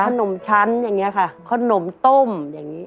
ขนมชั้นอย่างนี้ค่ะขนมต้มอย่างนี้